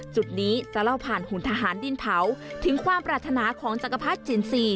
จุดนี้จะเล่าผ่านหุ่นทหารดินเผาถึงความปรารถนาของจักรพรรดิจินทรีย์